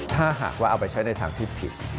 ถ้าหากว่าเอาไปใช้ในทางที่ผิด